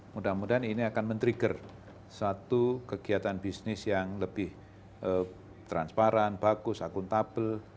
mudah mudahan ini akan men trigger satu kegiatan bisnis yang lebih transparan bagus akuntabel